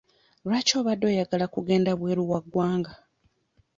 Lwaki obadde oyagala kugenda bweru wa ggwanga?